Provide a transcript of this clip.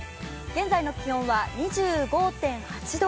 現在の気温は２５．８度。